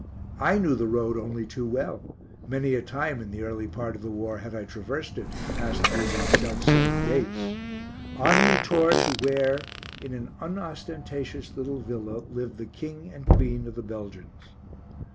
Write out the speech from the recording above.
I knew the road only too well; many a time in the early part of the war had I traversed it, and passed through these self same gates. On we tore to where, in an unostentatious little villa, lived the King and Queen of the Belgians.